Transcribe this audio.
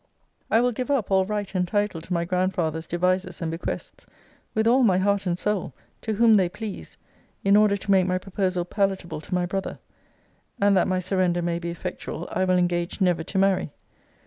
I will give up all right and title to my grandfather's devises and bequests, with all my heart and soul, to whom they please, in order to make my proposal palatable to my brother. And that my surrender may be effectual, I will engage never to marry.